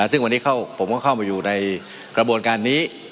ซึ่งวันนี้ผมก็เข้ามาอยู่ในกระบวนการนี้